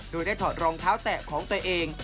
โดยได้ถอดรองเท้าแตะของตัวเอง